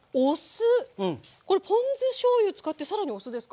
これポン酢しょうゆ使って更にお酢ですか？